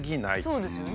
そうですよね。